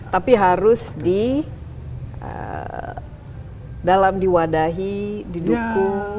tapi harus di dalam diwadahi didukung